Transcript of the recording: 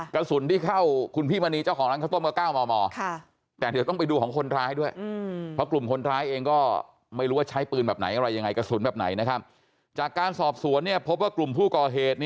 กระสุนที่เข้าคุณพี่มณีเจ้าของร้านข้าวต้มก็